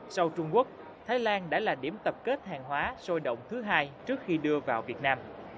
sau trung quốc thái lan đã là điểm tập kết hàng hóa sôi động thứ hai trước khi đưa vào việt nam